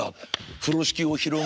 風呂敷を広げる。